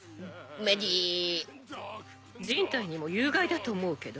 人体にも有害だと思うけど。